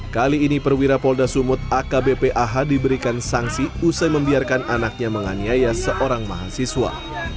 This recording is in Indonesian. kali ini perwira polda sumut akbp ah diberikan sanksi usai membiarkan anaknya menganiaya seorang mahasiswa